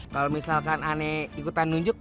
kalau misalkan ana ikutan terunjuk